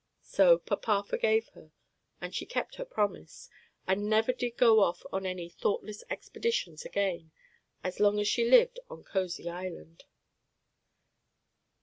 So papa forgave her, and she kept her promise, and never did go off on any thoughtless expeditions again, as long as she lived on Causey Island.